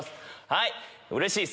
はい。